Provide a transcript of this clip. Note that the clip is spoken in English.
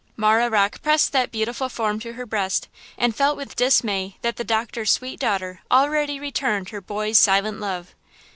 Marah Rocke pressed that beautiful form to her breast, and felt with dismay that the doctor's sweet daughter already returned her boy's silent love!